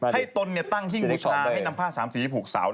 ให้ตนเนี่ยตั้งหิ้งบุคคลาให้นำผ้าสามสีผูกเสา